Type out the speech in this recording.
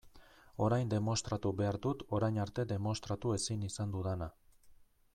Orain demostratu behar dut orain arte demostratu ezin izan dudana.